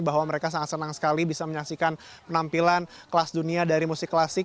bahwa mereka sangat senang sekali bisa menyaksikan penampilan kelas dunia dari musik klasik